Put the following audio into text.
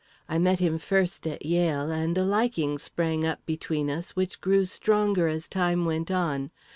I met him first at Yale, and a liking sprang up between us, which grew stronger as time went on.